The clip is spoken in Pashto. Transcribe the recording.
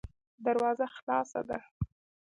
دروازه خلاصه ده.